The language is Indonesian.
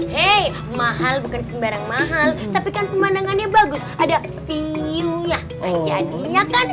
hei mahal bukan sembarang mahal tapi kan pemandangannya bagus ada pinnya jadinya kan